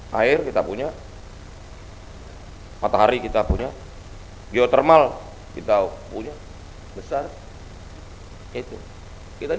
air kita punya matahari kita punya geotermal kita punya besar itu kita